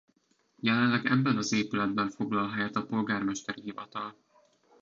Jelenleg ebben az épületben foglal helyet a polgármesteri hivatal.